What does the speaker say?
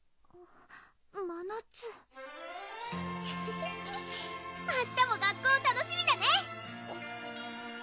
まなつ明日も学校楽しみだね！